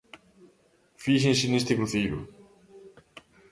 Fíxense neste cruceiro.